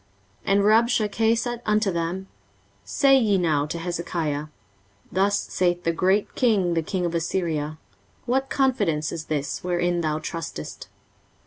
23:036:004 And Rabshakeh said unto them, Say ye now to Hezekiah, Thus saith the great king, the king of Assyria, What confidence is this wherein thou trustest?